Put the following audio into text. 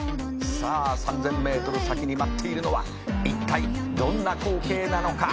「さあ３，０００ｍ先に待っているのはいったいどんな光景なのか」